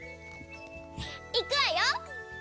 いくわよ！